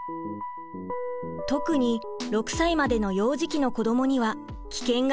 特に６歳までの幼児期の子どもには危険がいっぱいです。